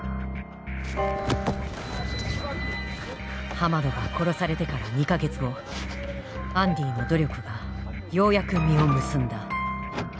ハマドが殺されてから２か月後アンディの努力がようやく実を結んだ。